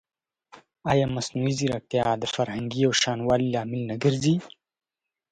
ایا مصنوعي ځیرکتیا د فرهنګي یوشان والي لامل نه ګرځي؟